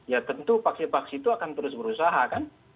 ya tentu vaksi vaksi itu akan terus berusaha kan